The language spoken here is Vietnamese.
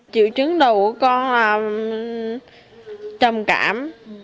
chịu chứng đầu của con là trầm cảm